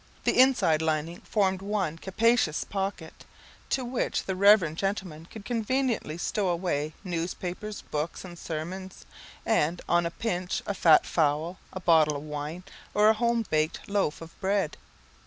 The inside lining formed one capacious pocket, into which the reverend gentleman could conveniently stow away newspapers, books, and sermons, and, on a pinch, a fat fowl, a bottle of wine, or a homebaked loaf of bread.